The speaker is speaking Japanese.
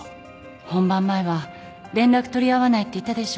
本番前は連絡取り合わないって言ったでしょ。